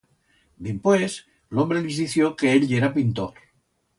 Dimpués, l'hombre lis dició que él yera pintor.